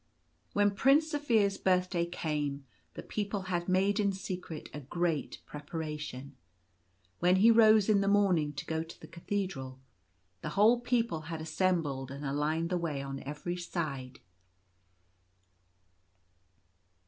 When Prince Zaphir's birthday came, the people had made in secret a great preparation. When he rose in the morning to go to the Cathedral, the whole people had assembled and lined the way on every side.